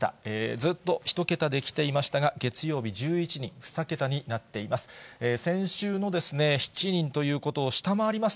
ずっと１桁できていましたが、月曜日１１人、２桁になっています。